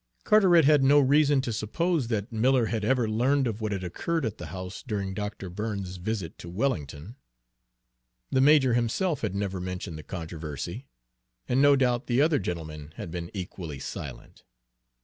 Carteret had no reason to suppose that Miller had ever learned of what had occurred at the house during Dr. Burns's visit to Wellington. The major himself had never mentioned the controversy, and no doubt the other gentlemen had been equally silent.